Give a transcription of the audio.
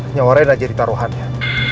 nyawa renah jadi taruhannya